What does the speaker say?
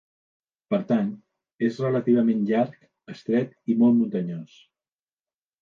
Per tant, és relativament llarg, estret i molt muntanyós.